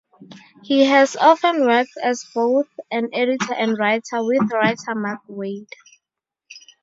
He has often worked, as both an editor and writer, with writer Mark Waid.